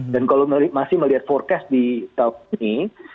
dan kalau masih melihat forecast di tahun ini